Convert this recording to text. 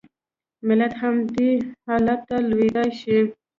ملت هم دې حالت ته لوېدای شي.